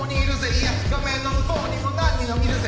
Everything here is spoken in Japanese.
いや画面の向こうにも何人もいるぜ